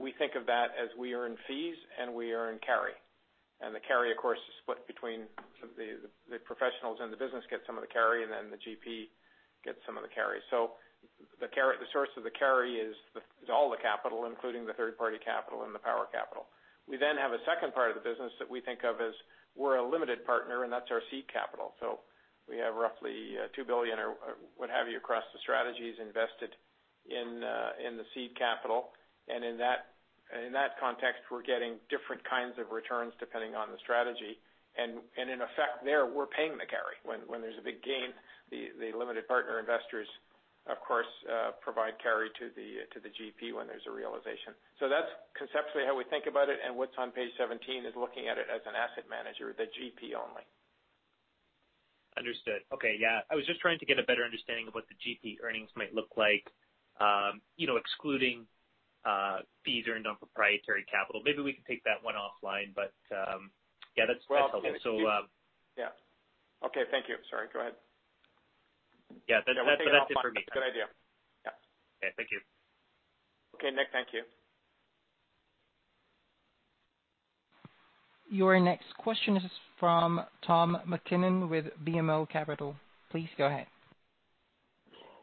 We think of that as we earn fees and we earn carry. The carry, of course, is split between the professionals in the business get some of the carry, and then the GP gets some of the carry. The carry, the source of the carry is all the capital, including the third-party capital and the Power capital. We then have a second part of the business that we think of as we're a limited partner, and that's our seed capital. We have roughly 2 billion or what have you across the strategies invested in the seed capital. In that context, we're getting different kinds of returns depending on the strategy. In effect there, we're paying the carry. When there's a big gain, the limited partner investors, of course, provide carry to the GP when there's a realization. That's conceptually how we think about it. What's on page 17 is looking at it as an asset manager, the GP only. Understood. Okay. Yeah. I was just trying to get a better understanding of what the GP earnings might look like, you know, excluding fees earned on proprietary capital. Maybe we can take that one offline, but yeah, that's helpful. Yeah. Okay. Thank you. Sorry, go ahead. Yeah. That's it for me. Yeah, we'll take it offline. That's a good idea. Yeah. Okay. Thank you. Okay. Nik, thank you. Your next question is from Tom MacKinnon with BMO Capital. Please go ahead.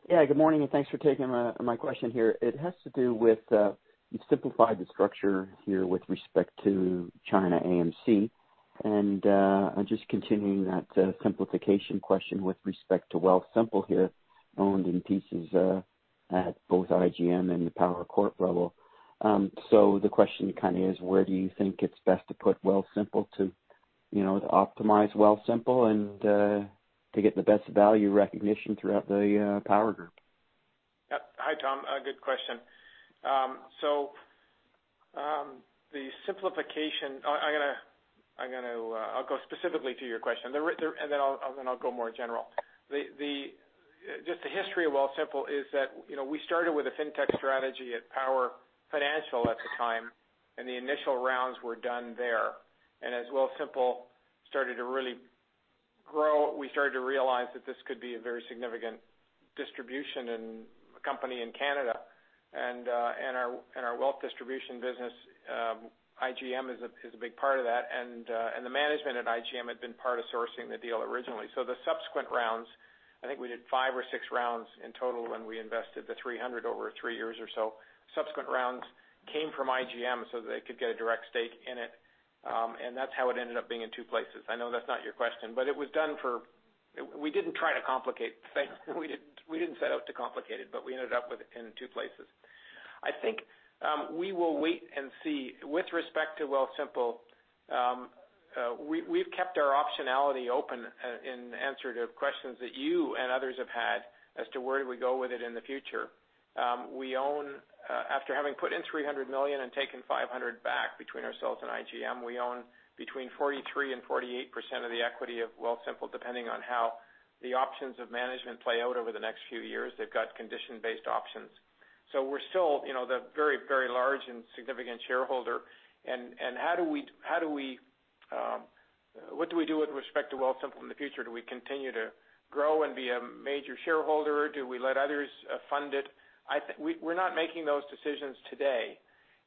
Yeah, good morning, and thanks for taking my question here. It has to do with you simplified the structure here with respect to China AMC. Just continuing that simplification question with respect to Wealthsimple here, owned in pieces at both IGM and the Power Corp level. So the question kinda is: Where do you think it's best to put Wealthsimple to- You know, to optimize Wealthsimple and to get the best value recognition throughout the Power group. Yep. Hi, Tom, a good question. So, the simplification. I'm going to, I'll go specifically to your question, and then I'll go more general. The history of Wealthsimple is that, you know, we started with a FinTech strategy at Power Financial at the time, and the initial rounds were done there. As Wealthsimple started to really grow, we started to realize that this could be a very significant distribution and company in Canada. Our wealth distribution business, IGM is a big part of that. The management at IGM had been part of sourcing the deal originally. The subsequent rounds, I think we did 5 or 6 rounds in total when we invested 300 over three years or so. Subsequent rounds came from IGM so they could get a direct stake in it. That's how it ended up being in two places. I know that's not your question, but it was done. We didn't try to complicate things. We didn't set out to complicate it, but we ended up with it in two places. I think we will wait and see. With respect to Wealthsimple, we've kept our optionality open in answer to questions that you and others have had as to where do we go with it in the future. We own, after having put in 300 million and taken 500 million back between ourselves and IGM, we own between 43%-48% of the equity of Wealthsimple, depending on how the options of management play out over the next few years. They've got condition-based options. We're still, you know, the very large and significant shareholder. How do we, what do we do with respect to Wealthsimple in the future? Do we continue to grow and be a major shareholder? Do we let others fund it? We're not making those decisions today.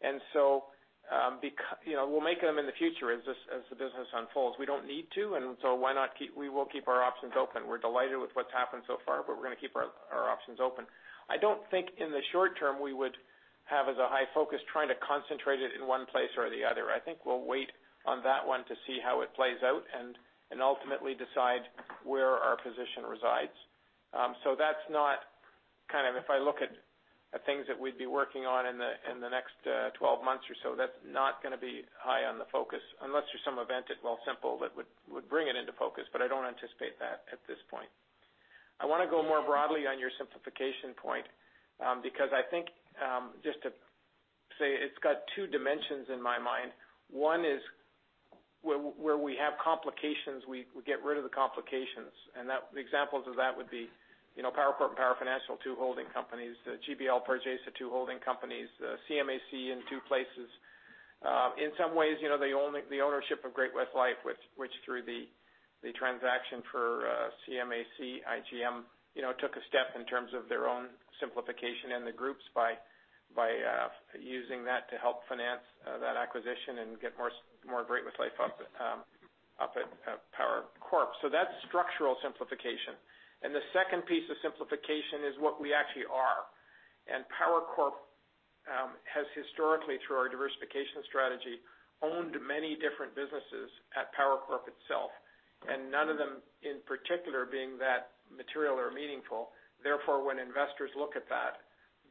You know, we'll make them in the future as the business unfolds. We don't need to, why not keep our options open. We will keep our options open. We're delighted with what's happened so far, but we're gonna keep our options open. I don't think in the short term we would have as a high focus trying to concentrate it in one place or the other. I think we'll wait on that one to see how it plays out and ultimately decide where our position resides. So that's not kind of if I look at things that we'd be working on in the next 12 months or so, that's not gonna be high on the focus unless there's some event at Wealthsimple that would bring it into focus, but I don't anticipate that at this point. I wanna go more broadly on your simplification point, because I think just to say it's got two dimensions in my mind. One is where we have complications, we get rid of the complications. That, the examples of that would be, you know, Power Corp and Power Financial, two holding companies. GBL Pargesa, two holding companies. ChinaAMC in two places. In some ways, you know, the ownership of Great-West Life, which through the transaction for CLIC, IGM, you know, took a step in terms of their own simplification in the groups by using that to help finance that acquisition and get more Great-West Life up at Power Corp. That's structural simplification. The second piece of simplification is what we actually are. Power Corp has historically through our diversification strategy owned many different businesses at Power Corp itself, and none of them in particular being that material or meaningful. Therefore, when investors look at that,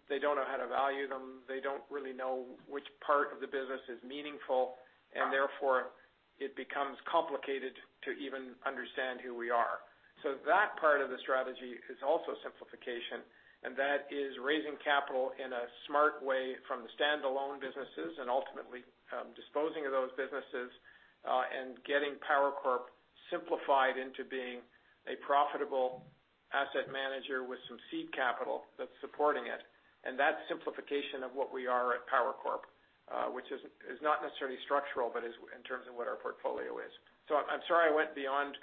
they don't know how to value them. They don't really know which part of the business is meaningful, and therefore, it becomes complicated to even understand who we are. That part of the strategy is also simplification, and that is raising capital in a smart way from the standalone businesses and ultimately disposing of those businesses, and getting Power Corp simplified into being a profitable asset manager with some seed capital that's supporting it. That's simplification of what we are at Power Corp, which is not necessarily structural, but is in terms of what our portfolio is. I'm sorry I went beyond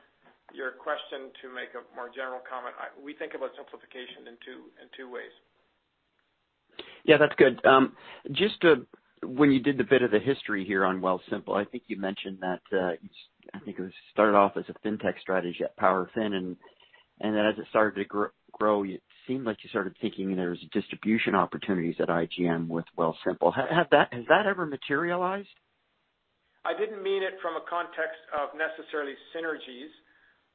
your question to make a more general comment. We think about simplification in two ways. Yeah, that's good. Just to when you did the bit of the history here on Wealthsimple, I think you mentioned that, I think it was started off as a fintech strategy at Power Financial, and then as it started to grow, it seemed like you started thinking there's distribution opportunities at IGM with Wealthsimple. Has that ever materialized? I didn't mean it from a context of necessarily synergies,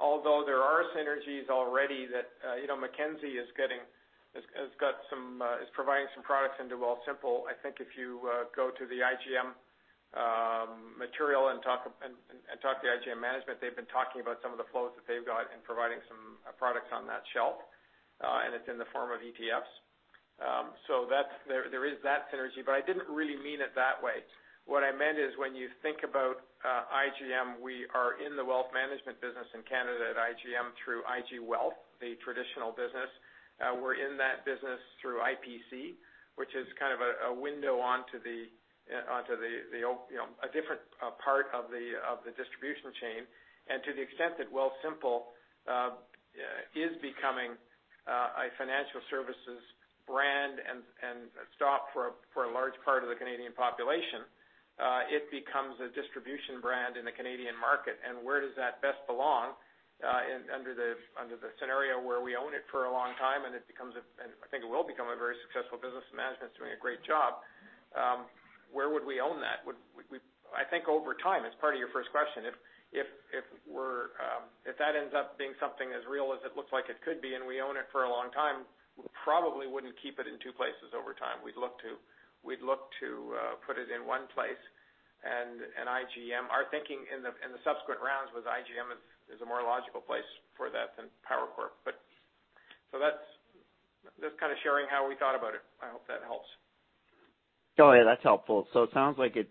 although there are synergies already that you know, Mackenzie is getting, has got some, is providing some products into Wealthsimple. I think if you go to the IGM material and talk to IGM management, they've been talking about some of the flows that they've got in providing some products on that shelf, and it's in the form of ETFs. So there is that synergy, but I didn't really mean it that way. What I meant is when you think about IGM, we are in the wealth management business in Canada at IGM through IG Wealth, the traditional business. We're in that business through IPC, which is kind of a window onto the, you know, a different part of the distribution chain. To the extent that Wealthsimple is becoming a financial services brand and a stop for a large part of the Canadian population, it becomes a distribution brand in the Canadian market. Where does that best belong under the scenario where we own it for a long time and it becomes, and I think it will become a very successful business, management's doing a great job. Where would we own that? I think over time, it's part of your first question. If that ends up being something as real as it looks like it could be and we own it for a long time, we probably wouldn't keep it in two places over time. We'd look to put it in one place. IGM, our thinking in the subsequent rounds with IGM is a more logical place for that than Power Corp. That's just kind of sharing how we thought about it. I hope that helps. Oh, yeah, that's helpful. It sounds like it,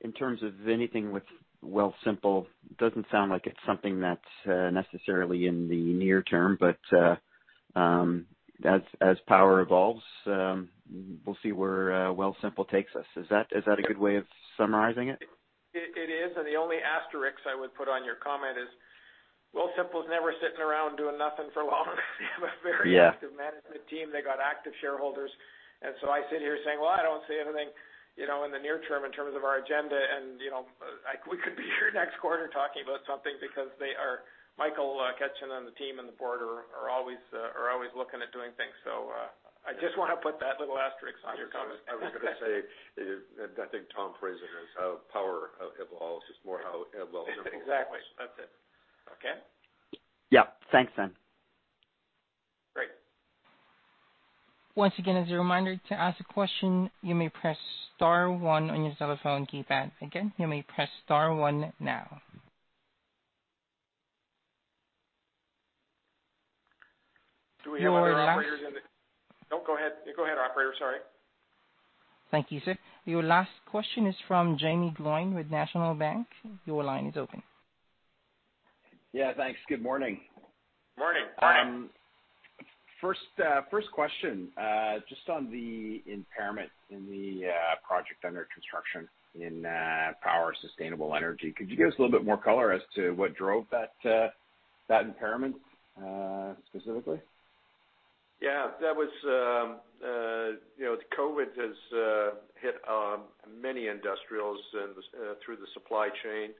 in terms of anything with Wealthsimple, doesn't sound like it's something that's necessarily in the near term, but, as Power evolves, we'll see where Wealthsimple takes us. Is that a good way of summarizing it? It is, and the only asterisk I would put on your comment is, Wealthsimple's never sitting around doing nothing for long. They have a very- Yeah Active management team. They got active shareholders. I sit here saying, "Well, I don't see anything, you know, in the near term in terms of our agenda." You know, like, we could be here next quarter talking about something because they are Michael Katchen and the team and the board are always looking at doing things. I just want to put that little asterisk on your comment. I was gonna say, that I think the phrase is how Power evolves. It's more how Wealthsimple evolves. Exactly. That's it. Okay. Yeah. Thanks, then. Great. Once again, as a reminder, to ask a question, you may press star one on your telephone keypad. Again, you may press star one now. Do we have other operators in the? Your last- No, go ahead. Go ahead, operator. Sorry. Thank you, sir. Your last question is from Jaeme Gloyn with National Bank. Your line is open. Yeah, thanks. Good morning. Morning. Morning. First question, just on the impairment in the project under construction in Power Sustainable Energy. Could you give us a little bit more color as to what drove that impairment specifically? Yeah. That was, you know, COVID has hit many industrials and through the supply chain.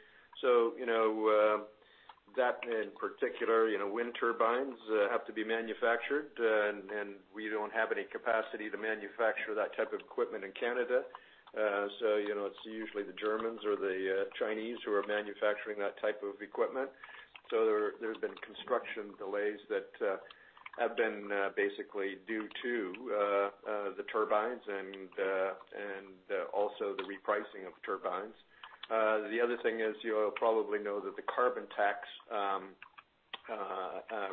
That in particular, you know, wind turbines have to be manufactured and we don't have any capacity to manufacture that type of equipment in Canada. It's usually the Germans or the Chinese who are manufacturing that type of equipment. There's been construction delays that have been basically due to the turbines and also the repricing of turbines. The other thing is you'll probably know that the carbon tax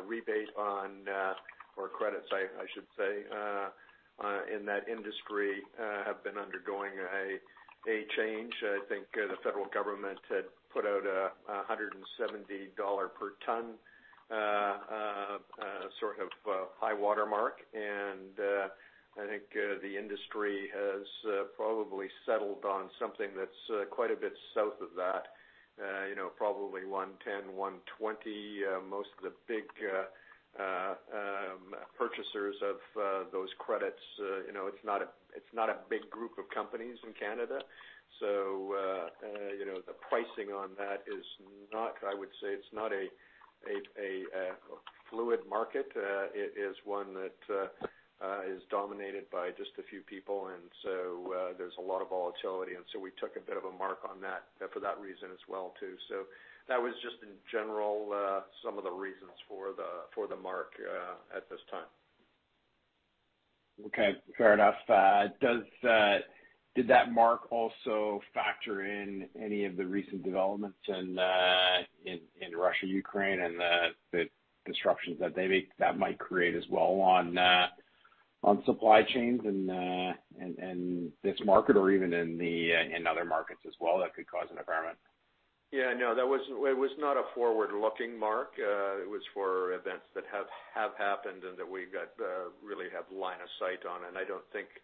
rebate or credits, I should say, in that industry have been undergoing a change. I think the federal government had put out 170 dollar per ton, sort of high watermark. I think the industry has probably settled on something that's quite a bit south of that, you know, probably 110, 120. Most of the big purchasers of those credits, you know, it's not a big group of companies in Canada. You know, the pricing on that is not, I would say, a fluid market. It is one that is dominated by just a few people. There's a lot of volatility. We took a bit of a mark on that for that reason as well too. That was just in general, some of the reasons for the mark at this time. Okay. Fair enough. Did that mark also factor in any of the recent developments in Russia-Ukraine and the disruptions that might create as well on supply chains and this market or even in other markets as well that could cause an impairment? Yeah, no, it was not a forward-looking mark. It was for events that have happened and that we really have line of sight on. I don't think, you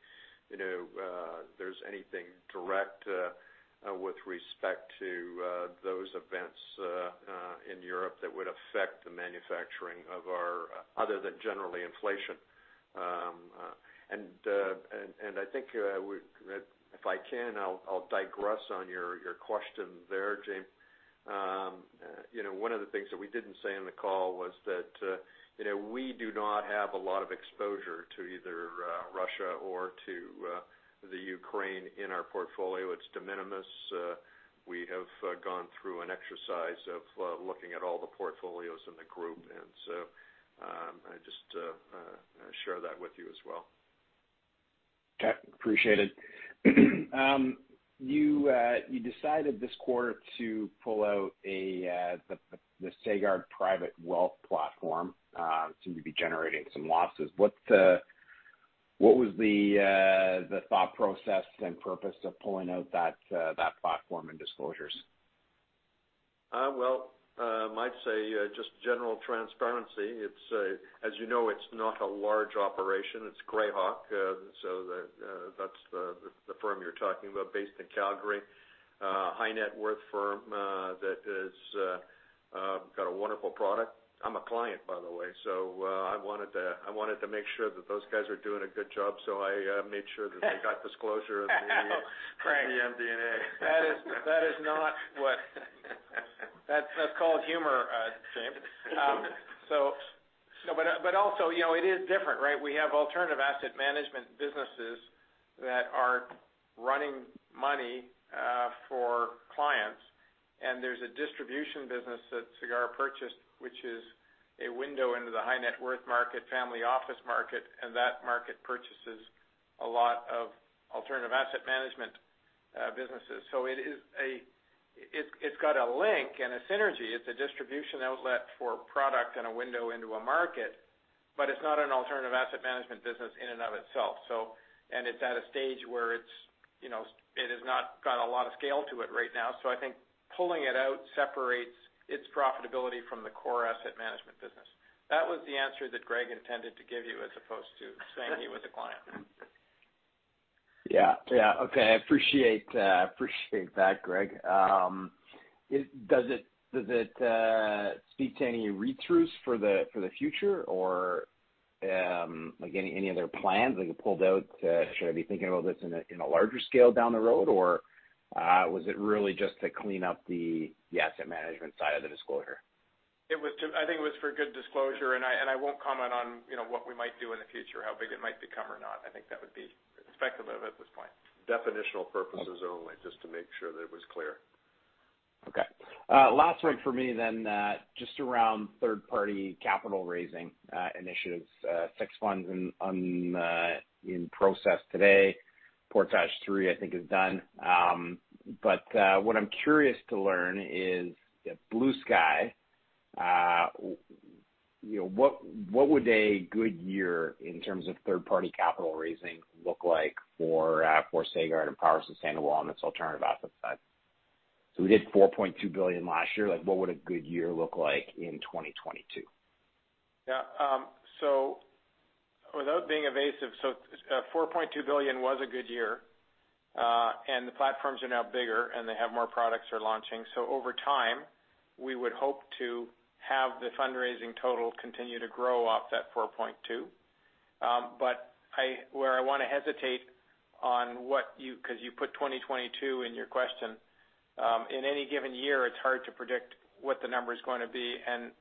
know, there's anything direct with respect to those events in Europe that would affect the manufacturing of ours other than generally inflation. I think, if I can, I'll digress on your question there, Jaeme. You know, one of the things that we didn't say in the call was that, you know, we do not have a lot of exposure to either Russia or to the Ukraine in our portfolio. It's de minimis. We have gone through an exercise of looking at all the portfolios in the group. I just share that with you as well. Okay. Appreciate it. You decided this quarter to pull out the Sagard private wealth platform, seemed to be generating some losses. What was the thought process and purpose of pulling out that platform and disclosures? Well, I might say, just general transparency. It's, as you know, not a large operation. It's Grayhawk. So that's the firm you're talking about based in Calgary. High net worth firm that has got a wonderful product. I'm a client, by the way, so I wanted to make sure that those guys are doing a good job, so I made sure that they got disclosure in the- Correct in the MD&A. That's called humor, Jaeme. No, but also, you know, it is different, right? We have alternative asset management businesses that are running money for clients. There's a distribution business that Sagard purchased, which is a window into the high net worth market, family office market, and that market purchases a lot of alternative asset management businesses. It is a, it's got a link and a synergy. It's a distribution outlet for product and a window into a market, but it's not an alternative asset management business in and of itself. It's at a stage where it's, you know, it has not got a lot of scale to it right now. I think pulling it out separates its profitability from the core asset management business. That was the answer that Greg intended to give you, as opposed to saying he was a client. Yeah. Okay, I appreciate that, Greg. Does it speak to any retrench for the future or, like any other plans? Like it pulled out, should I be thinking about this in a larger scale down the road? Or, was it really just to clean up the asset management side of the disclosure? I think it was for good disclosure. I won't comment on, you know, what we might do in the future, how big it might become or not. I think that would be speculative at this point. Definitional purposes only, just to make sure that it was clear. Okay. Last one for me then, just around third-party capital raising initiatives, six funds in process today. Portage Three, I think is done. But, what I'm curious to learn is in a blue sky, you know, what would a good year in terms of third-party capital raising look like for Sagard and Power Sustainable on its alternative asset side? We did 4.2 billion last year. Like, what would a good year look like in 2022? Yeah. Without being evasive, 4.2 billion was a good year. The platforms are now bigger and they have more products they're launching. Over time, we would hope to have the fundraising total continue to grow off that 4.2 billion. But where I wanna hesitate on what you 'cause you put 2022 in your question. In any given year, it's hard to predict what the number is gonna be, and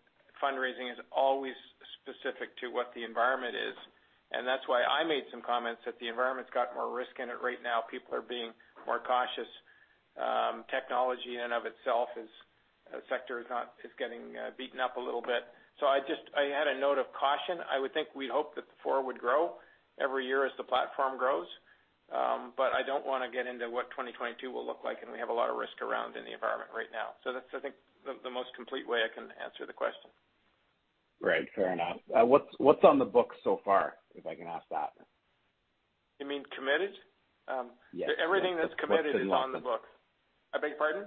fundraising is always specific to what the environment is. That's why I made some comments that the environment's got more risk in it right now. People are being more cautious. Technology in and of itself, the sector is getting beaten up a little bit. I just had a note of caution. I would think we'd hope that 4 would grow every year as the platform grows. I don't wanna get into what 2022 will look like, and we have a lot of risk around in the environment right now. That's, I think, the most complete way I can answer the question. Right. Fair enough. What's on the books so far, if I can ask that? You mean committed? Yes. Everything that's committed is on the books. I beg your pardon?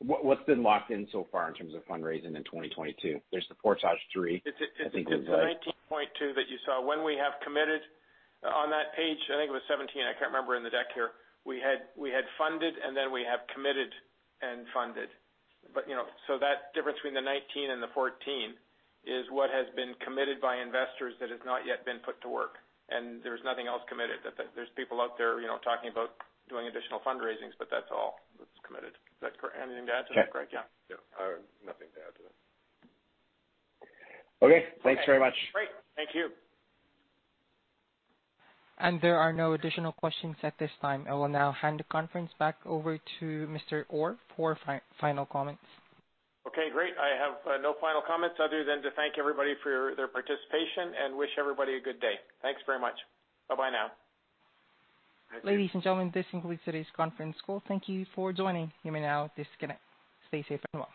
What's been locked in so far in terms of fundraising in 2022? There's the Portage Ventres III, I think is. It's 19.2 that you saw. When we have committed on that page, I think it was 17, I can't remember in the deck here. We had funded, and then we have committed and funded. You know, so that difference between the 19 and the 14 is what has been committed by investors that has not yet been put to work. There's nothing else committed. That there's people out there, you know, talking about doing additional fundraisings, but that's all that's committed. Is that correct? Anything to add to that, Greg? Yeah. Yeah. Nothing to add to that. Okay. Thanks very much. Great. Thank you. There are no additional questions at this time. I will now hand the conference back over to Mr. Orr for final comments. Okay, great. I have no final comments other than to thank everybody for their participation and wish everybody a good day. Thanks very much. Bye-bye now. Ladies and gentlemen, this concludes today's conference call. Thank you for joining. You may now disconnect. Stay safe and well.